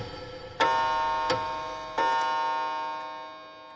ああ。